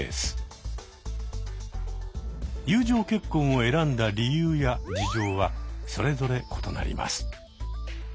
友情結婚を選んだ理由や事情はそれぞれ異なります。